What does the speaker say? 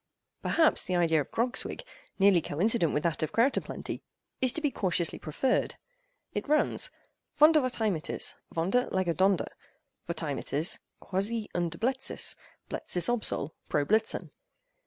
Perhaps the idea of Grogswigg—nearly coincident with that of Kroutaplenttey—is to be cautiously preferred.—It runs:—"Vondervotteimittis—Vonder, lege Donder—Votteimittis, quasi und Bleitziz—Bleitziz obsol:—pro Blitzen."